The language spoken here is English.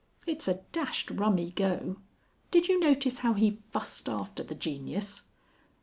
"It's a dashed rummy go. Did you notice how he fussed after the genius?"